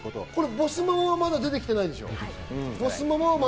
ボスママはまだ出てきてないでしょう？